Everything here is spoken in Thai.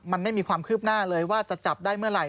มันไม่มีความคืบหน้าเลยว่าจะจับได้เมื่อไหร่